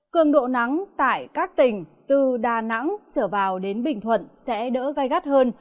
cường độ nắng tại các tỉnh từ đà nẵng trở vào đến bình thuận sẽ đỡ gai gắt hơn